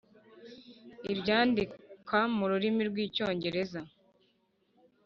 Abyandika mu rurimi rw’icyongereza